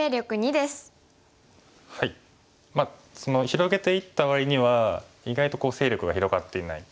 広げていった割には意外と勢力が広がっていない。